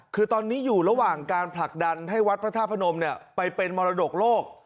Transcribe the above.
คือตอนนี้อยู่ระหว่างการผลักดันให้วัดพระธาตุพนมไปเป็นมรดกโลก